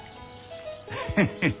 ヘヘヘ。